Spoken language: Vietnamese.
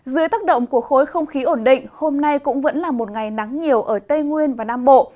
dưới tác động của khối không khí ổn định hôm nay cũng vẫn là một ngày nắng nhiều ở tây nguyên và nam bộ